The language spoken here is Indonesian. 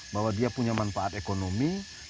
bahwa dia punya manfaat ekonomi